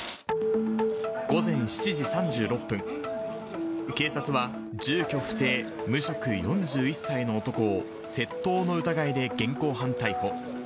午前７時３６分、警察は、住居不定、無職、４１歳の男を窃盗の疑いで現行犯逮捕。